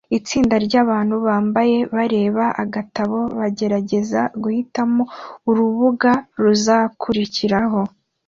Itsinda ryabantu bambaye bareba agatabo bagerageza guhitamo urubuga ruzakurikiraho